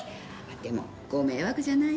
でもご迷惑じゃない？